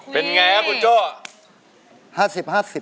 เป็นไงครับคุณโจ้